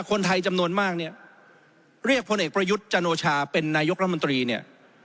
คนไทยจำนวนมากเนี่ยเรียกพลเอกประยุทธ์จันโอชาเป็นนายกรัฐมนตรีเนี่ย